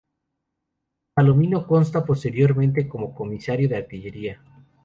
Palomino consta posteriormente como Comisario de Artillería.